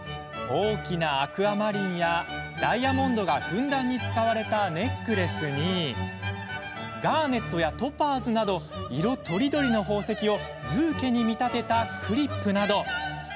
大きなアクアマリンやダイヤモンドがふんだんに使われたネックレスにガーネットやトパーズなど色とりどりの宝石をブーケに見立てたクリップなど。